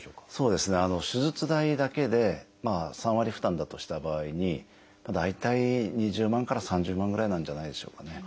手術代だけで３割負担だとした場合に大体２０万から３０万ぐらいなんじゃないでしょうかね。